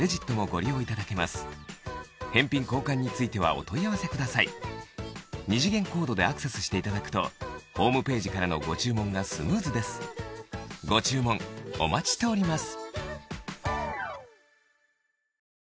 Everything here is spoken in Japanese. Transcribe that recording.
お買い求めはお早めに二次元コードでアクセスしていただくとホームページからのご注文がスムーズですご注文お待ちしております